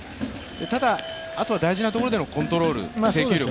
ただ大事なところでのコントロール、制球力。